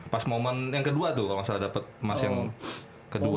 pas momen yang kedua tuh kalau nggak salah dapet mas yang kedua tuh